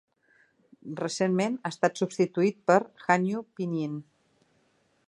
Recentment, ha estat substituït pel Hanyu Pinyin.